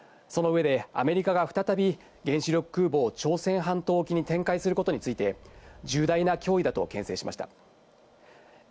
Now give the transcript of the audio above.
その上でアメリカが再び原子力空母を朝鮮半島沖に展開することについて、重大な脅威だとけん制しました。